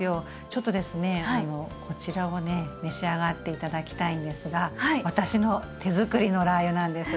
ちょっとですねこちらをね召し上がって頂きたいんですが私の手づくりのラー油なんです。